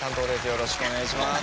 よろしくお願いします。